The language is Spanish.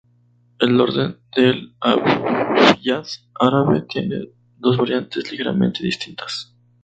El orden del abyad árabe tiene dos variantes ligeramente distintas.